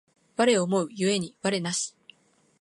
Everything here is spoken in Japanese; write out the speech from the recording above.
我思う故に我なし